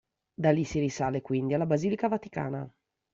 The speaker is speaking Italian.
Da lì si risale quindi alla basilica vaticana.